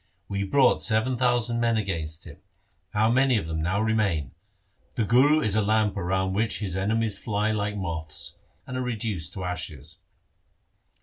We brought seven thousand men against him, how many of them now remain ? The Guru is a lamp around which his enemies fly like moths and are reduced to ashes.'